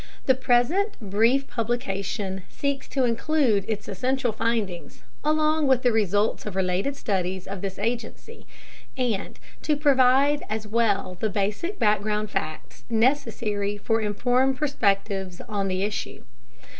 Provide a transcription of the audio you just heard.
The present brief publication seeks to include its essential findings, along with the results of related studies of this Agency, and to provide as well the basic background facts necessary for informed perspectives on the issue.